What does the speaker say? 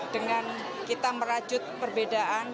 dengan kita merajut perbedaan